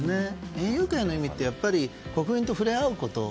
園遊会の意味ってやっぱり国民と触れ合うこと。